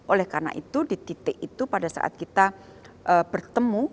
oleh karena itu di titik itu pada saat kita bertemu